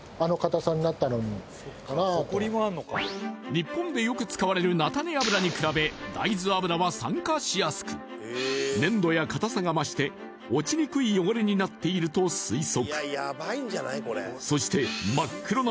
日本でよく使われる菜種油に比べ大豆油は酸化しやすく粘度や固さが増して落ちにくい汚れになっていると推測。